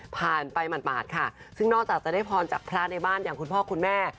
ผ่านไปหมาดค่ะซึ่งนอกจากจะได้พรจากพระในบ้านอย่างคุณพ่อคุณแม่